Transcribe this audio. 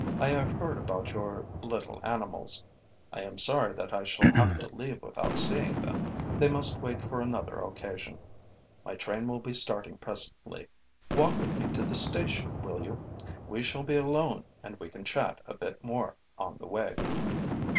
I have heard about your little animals. I am sorry that I shall have to leave without seeing them. They must wait for another occasion. My train will be starting presently. Walk with me to the station, will you? We shall be alone and we can chat a bit more on the way.'